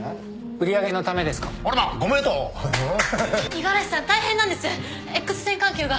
五十嵐さん大変なんです Ｘ 線管球が